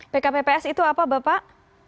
pkpps itu apa bapak